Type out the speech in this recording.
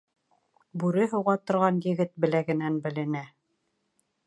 Бүре һуға торған егет беләгенән беленә.